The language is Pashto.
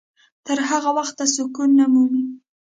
تر هغه وخته سکون نه مومي.